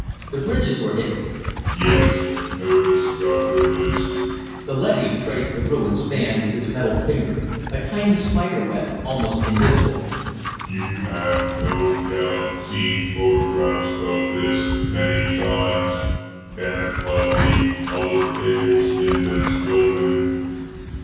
The bridges were hit " "Yes, notice the bridges." The leady traced the ruined span with his metal finger, a tiny spider web, almost invisible. "You have no doubt seen photographs of this many times, and of the other tables in this building.